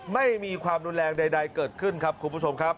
ไม่มีความรุนแรงใดเกิดขึ้นครับคุณผู้ชมครับ